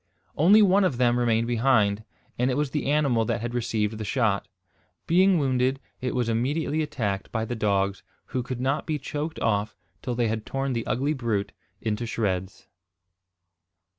Only one of them remained behind, and it was the animal that had received the shot. Being wounded, it was immediately attacked by the dogs, who could not be choked off till they had torn the ugly brute into shreds.